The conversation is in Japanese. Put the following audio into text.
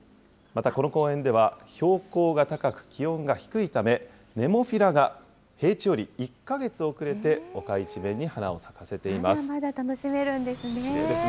またこの公園では、標高が高く、気温が低いため、ネモフィラが平地より１か月遅れて丘一面に花を咲かせています。